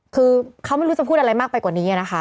คือเขาไม่รู้จะพูดอะไรมากไปกว่านี้นะคะ